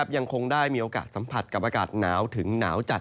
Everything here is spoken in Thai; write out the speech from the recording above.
ยังคงได้มีโอกาสสัมผัสกับอากาศหนาวถึงหนาวจัด